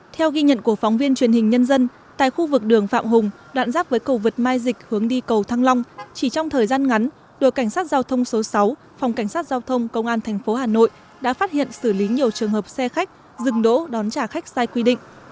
theo ghi nhận của phóng viên truyền hình nhân dân tại khu vực đường phạm hùng đoạn giáp với cầu vượt mai dịch hướng đi cầu thăng long chỉ trong thời gian ngắn đội cảnh sát giao thông số sáu phòng cảnh sát giao thông công an thành phố hà nội đã phát hiện xử lý nhiều trường hợp xe khách dừng đỗ đón trả khách sai quy định